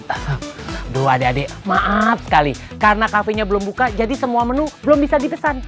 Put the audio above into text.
aduh adik adik maaf sekali karena kafenya belum buka jadi semua menu belum bisa dipesan